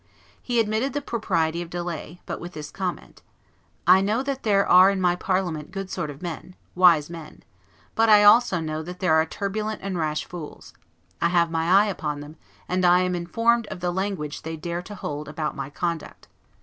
He admitted the propriety of delay, but with this comment: "I know that there are in my Parliament good sort of men, wise men; but I also know that there are turbulent and rash fools; I have my eye upon them; and I am informed of the language they dare to hold about my conduct.